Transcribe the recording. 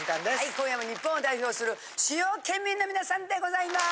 今夜も日本を代表する主要県民の皆さんでございます。